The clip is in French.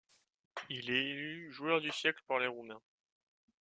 Il est élu joueur du siècle par les Roumains.